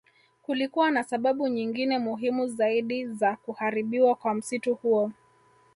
Kulikuwa na sababu nyingine muhimu zaidi za kuharibiwa kwa msitu huo